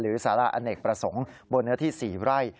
สาระอเนกประสงค์บนเนื้อที่๔ไร่